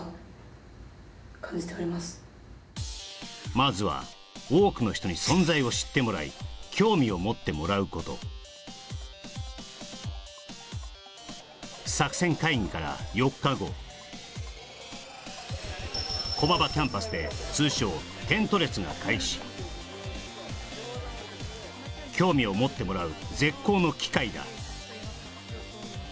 まずは多くの人に存在を知ってもらい興味を持ってもらうこと駒場キャンパスで通称テント列が開始興味を持ってもらう絶好の機会だ